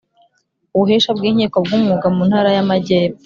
ubuhesha bw inkiko bw umwuga mu ntara y amajyepfo